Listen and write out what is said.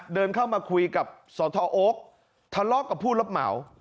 เดินเข้ามาคุยกับสทโอ๊คทะเลาะกับผู้รับเหมา